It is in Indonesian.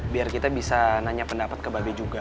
biar kita bisa nanya pendapat ke babi juga